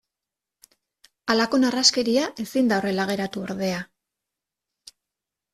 Halako narraskeria ezin da horrela geratu ordea.